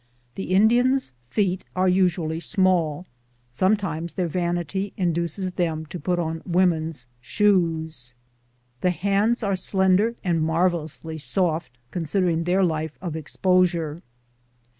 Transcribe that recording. The Indians' feet are usually small ; some times their vanity induces them to put on women's shoes. The hands are slender and marvellously soft consider ing their life of exposure.